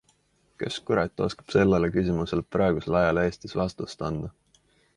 Kes kurat oskab sellele küsimusele praegusel ajal Eestis vastust anda.